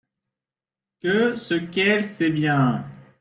Que ce qu’elle sait bien…